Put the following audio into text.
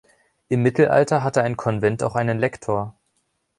Im Mittelalter hatte ein Konvent auch einen Lektor.